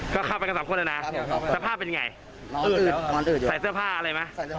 ถ้าเข้าไปกันสามคนแล้วนะสภาพเป็นอย่างไร